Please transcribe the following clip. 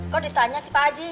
kok ditanya si pak haji